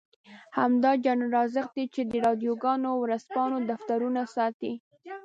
همدا جنرال رازق دی چې د راډيوګانو او ورځپاڼو دفترونه ساتي.